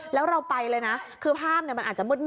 แล้วเราไปเลยนะ